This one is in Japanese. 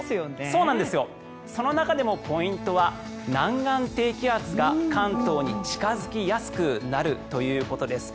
その中でもポイントは南岸低気圧が関東に近付きやすくなるということです。